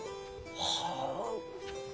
はあ。